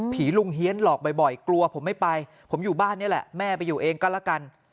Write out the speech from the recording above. ลุงเฮียนหลอกบ่อยกลัวผมไม่ไปผมอยู่บ้านนี่แหละแม่ไปอยู่เองก็ละกัน